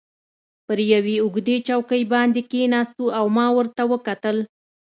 پر یوې اوږدې چوکۍ باندې کښېناستو او ما ورته وکتل.